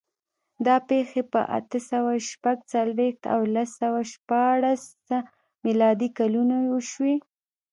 دا پېښې په اته سوه شپږ څلوېښت او لس سوه شپاړس میلادي کلونو وشوې.